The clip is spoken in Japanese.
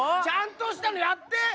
ちゃんとしたのやって！